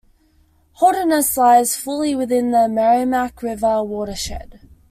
Holderness lies fully within the Merrimack River watershed.